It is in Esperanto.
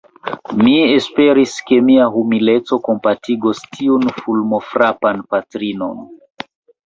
Mi esperis, ke mia humileco kompatigos tiun fulmofrapan patrinon.